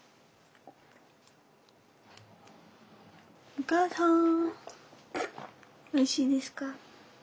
お母さんおいしいですか？